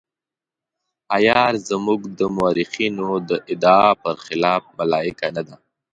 عیار زموږ د مورخینو د ادعا په خلاف ملایکه نه ده.